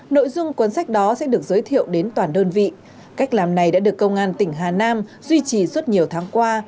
mỗi đơn vị cách làm này đã được công an tỉnh hà nam duy trì suốt nhiều tháng qua